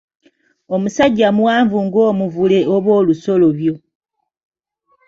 Omusajja muwanvu ng'omuvule oba ng'olusolobyo.